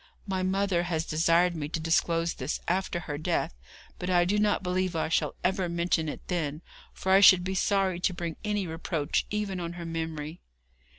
My mother has desired me to disclose this after her death, but I do not believe I shall ever mention it then, for I should be sorry to bring any reproach even on her memory.'